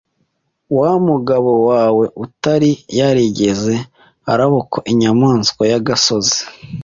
Wa mugabo wawe utari yarigeze arabukwa inyamaswa y'agasozi